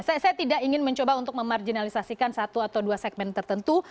saya tidak ingin mencoba untuk memarginalisasikan satu atau dua segmen tertentu